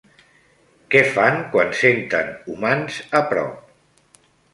Què fan quan senten humans a prop?